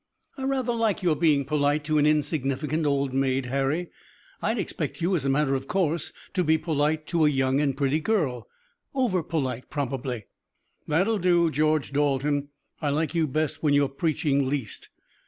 "I rather like your being polite to an insignificant old maid, Harry. I'd expect you, as a matter of course, to be polite to a young and pretty girl, overpolite probably." "That'll do, George Dalton. I like you best when you're preaching least.